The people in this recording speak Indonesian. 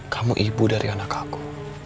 kamu ibu dari anak aku